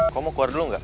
kau mau keluar dulu gak